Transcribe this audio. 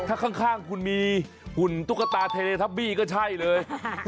ถ้าข้างคุณมีหุ่นตุ๊กตาเทเลทับบี้ก็ใช่เลย